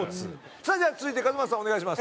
さあじゃあ続いて勝俣さんお願いします。